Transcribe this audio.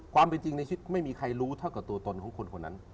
ความเป็นจริงในชีวิตไม่มีใครรู้เท่ากับตัวตนของคนคนนั้น